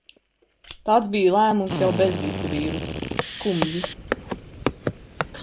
Tāds bija lēmums jau bez visa vīrusa... Skumji...